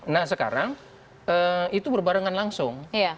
nah sekarang itu berbarengan langsung